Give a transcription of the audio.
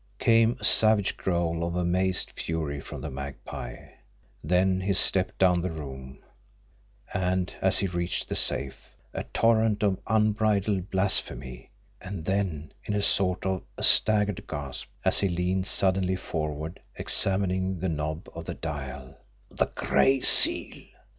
Came a savage growl of amazed fury from the Magpie: then his step down the room; and, as he reached the safe, a torrent of unbridled blasphemy and then, in a sort of staggered gasp, as he leaned suddenly forward examining the knob of the dial: "The Gray Seal!"